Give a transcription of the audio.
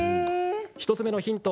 １つ目のヒント